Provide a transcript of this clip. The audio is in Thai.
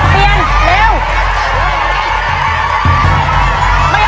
ไม่ออกแล้วเปลี่ยน